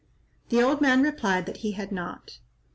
The old man replied that he had not.